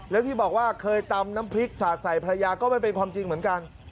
แล้วที่บอกว่าเคยตำน้ำพริกสาดใส่ภรรยาก็ไม่เป็นความจริงเหมือนกัน